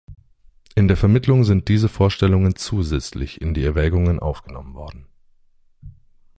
In der Vermittlung sind diese Vorstellungen zusätzlich in die Erwägungen aufgenommen worden.